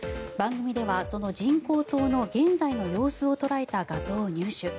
番組ではその人工島の現在の様子を捉えた画像を入手。